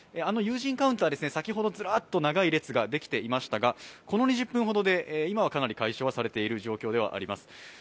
有人カウンター、先ほどずらっと長い列ができていましたがこの２０分ほどで今はかなり解消されている状況ではあります。